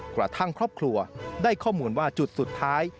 กระทั่งครอบครัวได้ข้อมูลว่าจุดสุดท้าย